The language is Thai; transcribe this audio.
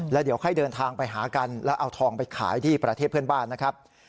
แล้วเดี๋ยวให้เดินทางไปหากันแล้วเอาทองไปขายที่ประเทศเพื่อนบ้านนะครับ